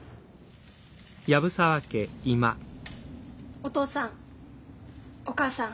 お父さんお母さん